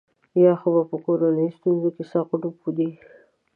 یا خو په کورنیو ستونزو کې سخت ډوب دی.